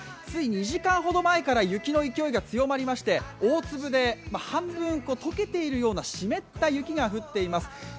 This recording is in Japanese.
つい２時間ほど前から雪の勢いが強まりまして大粒で半分溶けているような湿っている雪が降っています。